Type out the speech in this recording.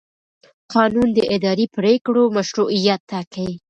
قانون د اداري پرېکړو مشروعیت ټاکي.